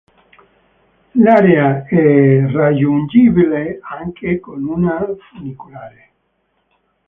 L'area è raggiungibile anche con una funicolare.